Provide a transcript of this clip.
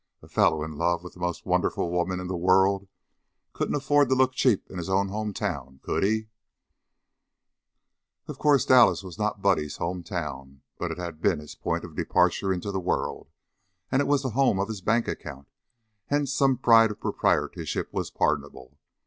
A fellow in love with the most wonderful woman in the world couldn't afford to look cheap in his home town, could he? Of course Dallas was not Buddy's home town, but it had been his point of departure into the world, and it was the home of his bank account, hence some pride of proprietorship was pardonable.